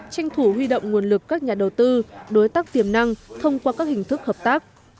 tranh thủ huy động nguồn lực các nhà đầu tư đối tác tiềm năng thông qua các hình thức hợp tác